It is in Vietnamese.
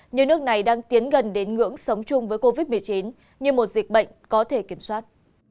như nước này đang tiến gần đến ngưỡng sống chung với covid một mươi chín như một dịch bệnh có thể kiểm soát